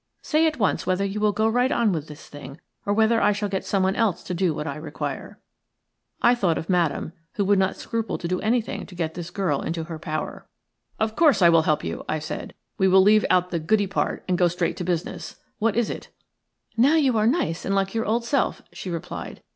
Say at once whether you will go right on with this thing, or whether I shall get someone else to do what I require." I thought of Madame, who would not scruple to do anything to get this girl into her power. "Of course I will help you," I said. "We will leave out the goody part and go straight to business. What is it?" "Now you are nice and like your own old self," she replied.